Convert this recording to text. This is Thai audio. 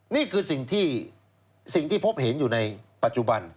นี่คือสิ่งที่สิ่งที่พบเห็นอยู่ในปัจจุบัน